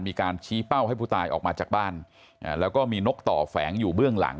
มีการชี้เป้าให้ผู้ตายออกมาจากบ้านแล้วก็มีนกต่อแฝงอยู่เบื้องหลัง